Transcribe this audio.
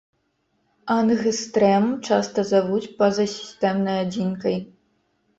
Ангстрэм часта завуць пазасістэмнай адзінкай.